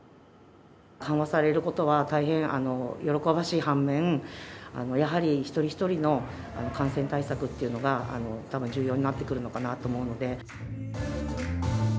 緩和されることは大変喜ばしい半面、やはり一人一人の感染対策っていうのが、たぶん重要になってくるのかなと思うので。